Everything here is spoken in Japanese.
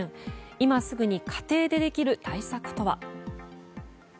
今すぐに家庭でできる対策とは。